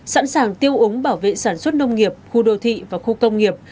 sẵn sàng tiêu úng bảo vệ sản xuất nông nghiệp khu đô thị và khu công nghiệp